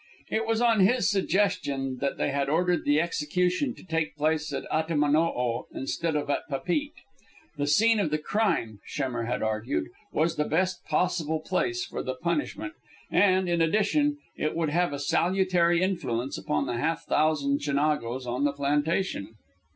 It was on his suggestion that they had ordered the execution to take place at Atimaono instead of at Papeete. The scene of the crime, Schemmer had argued, was the best possible place for the punishment, and, in addition, it would have a salutary influence upon the half thousand Chinagos on the plantation.